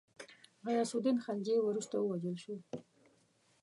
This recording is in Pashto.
غیاث االدین خلجي وروسته ووژل شو.